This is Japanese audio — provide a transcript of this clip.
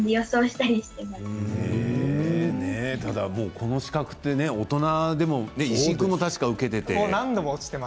ただ、この資格って大人でも石井君も確か受けていて。